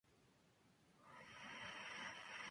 Hada aparece en "Lobezno y los X-Men", episodio "X-Calibre".